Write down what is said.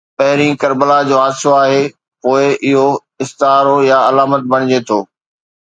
پهرين ڪربلا جو حادثو آهي، پوءِ اهو استعارو يا علامت بڻجي ٿو.